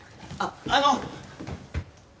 あっあの！